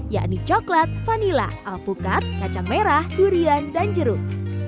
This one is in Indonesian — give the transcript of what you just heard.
yakni coklat vanila alpukat kacang merah durian dan jeruk